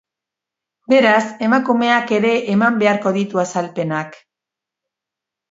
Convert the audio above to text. Beraz, emakumeak ere eman beharko ditu azalpenak.